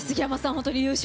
本当に優勝